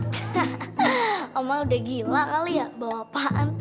cah oma udah gila kali ya bawa apaan tuh